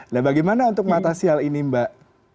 nah bagaimana untuk mengatasi hal ini mbak